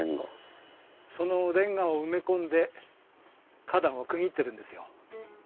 そのレンガを埋め込んで花壇を区切ってるんですよ。